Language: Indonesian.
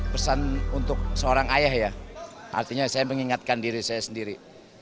pesan untuk seorang ayah ya artinya saya mengingatkan diri saya sendiri